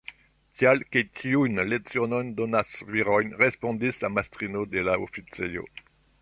Tial, ke tiujn lecionojn donas viroj, respondis la mastrino de la oficejo.